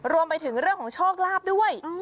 รวมไปถึงเรื่องของโชคลาภด้วย